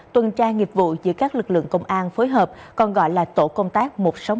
tuần tra nghiệp vụ giữa các lực lượng công an phối hợp còn gọi là tổ công tác một trăm sáu mươi bảy